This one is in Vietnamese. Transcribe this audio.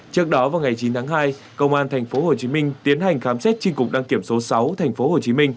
trước đó vào ngày chín tháng hai công an tp hcm tiến hành khám xét tri cục đăng kiểm số sáu tp hcm